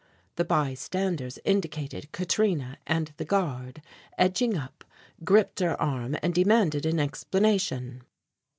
The bystanders indicated Katrina and the guard, edging up, gripped her arm and demanded an explanation.